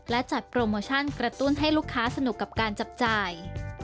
และจัดโปรโมชั่นกระตุ้นให้ลูกค้าสนุกกับการจับจ่าย